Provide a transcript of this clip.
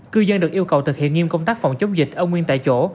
cư dân được yêu cầu thực hiện nghiêm công tác phòng chống dịch ở nguyên tại chỗ